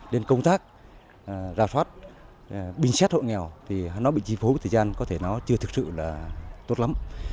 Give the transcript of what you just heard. đến công tác rao thoát binh xét hội nghèo thì nó bị chi phố thời gian có thể nó chưa thực sự là tốt lắm